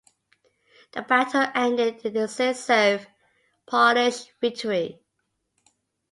The battle ended in decisive Polish victory.